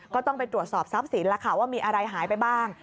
ก็ต้องไปตรวจสอบทรัพย์สินแล้วค่ะว่ามีอะไรหายไปบ้าง